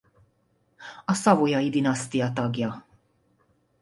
A Savoyai-dinasztia tagja.